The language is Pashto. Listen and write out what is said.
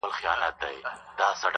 o د توري ټپ جوړېږي، د ژبي ټپ نه جوړېږي!